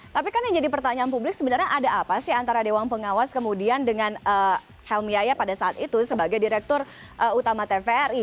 tapi kan yang jadi pertanyaan publik sebenarnya ada apa sih antara dewan pengawas kemudian dengan helmi yaya pada saat itu sebagai direktur utama tvri